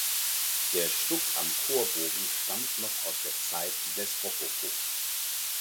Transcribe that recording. Der Stuck am Chorbogen stammt noch aus der Zeit des Rokoko.